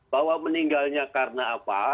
bahwa meninggalnya karena apa